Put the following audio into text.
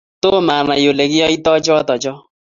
tom anai ole kiyoyto choto cho